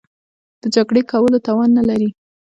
د جګړې کولو توان نه لري.